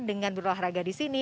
dengan berolahraga di sini